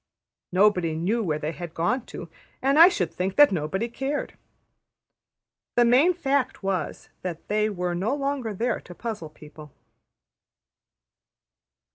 Nobody knew where they had gone to, and I should think that nobody cared. The main fact was that they were no longer there to puzzle people.